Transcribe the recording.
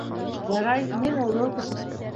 Ярай, мин оло кеше.